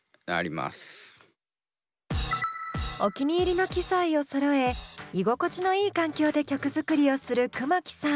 お気に入りの機材をそろえ居心地のいい環境で曲作りをする熊木さん。